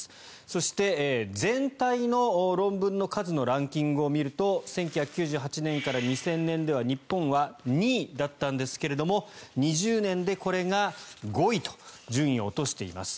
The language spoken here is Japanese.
そして、全体の論文の数のランキングを見ると１９９８年から２０００年では日本は２位だったんですけれども２０年でこれが５位と順位を落としています。